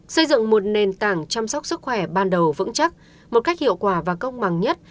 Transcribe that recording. xây dựng một nền tảng chăm sóc sức khỏe ban đầu vững chắc một cách hiệu quả và công bằng nhất